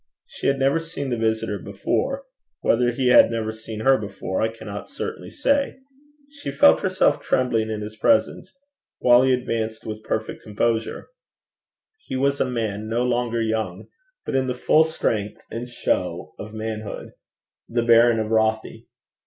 She had never seen the visitor before: whether he had ever seen her before, I cannot certainly say. She felt herself trembling in his presence, while he advanced with perfect composure. He was a man no longer young, but in the full strength and show of manhood the Baron of Rothie.